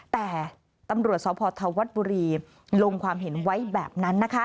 แต่ตำรวจสพธวัฒน์บุรีลงความเห็นไว้แบบนั้นนะคะ